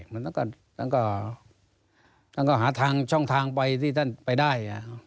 แล้วท่านก็หารายกันท่องทางไปที่ท่านได้